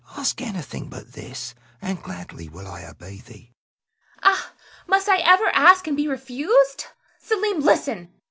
Ask anything but this, and gladly will I obey thee. Zara. Ah, must I ever ask and be refused? Selim, listen!